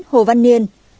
chín hồ văn niên